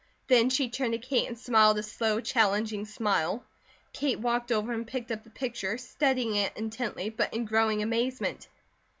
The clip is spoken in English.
Then she turned to Kate and smiled a slow, challenging smile. Kate walked over and picked up the picture, studying it intently but in growing amazement.